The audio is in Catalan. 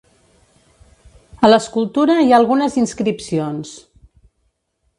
A l'escultura hi ha algunes inscripcions.